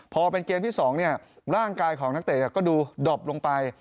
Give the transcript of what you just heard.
พอเป็นเกมที่๒ร่างกายของนักเตะก็ดูดอบลงไป